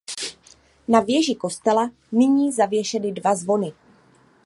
Ve věži kostela nyní zavěšeny dva zvony.